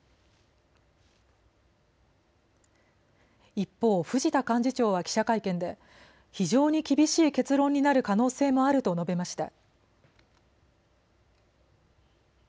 一方、藤田幹事長は記者会見で非常に厳しい結論になる可能性もあると述べました。